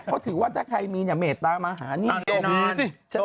เขาถือว่าถ้าใครมีเนี่ยเมตตัไปมาหาเนี่ย